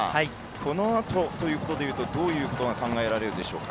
このあとということでいうとどういうことが考えられますか。